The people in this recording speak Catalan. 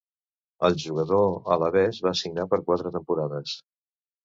El jugador alabès va signar per quatre temporades.